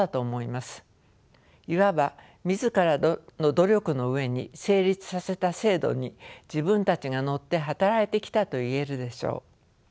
いわば自らの努力の上に成立させた制度に自分たちが乗って働いてきたと言えるでしょう。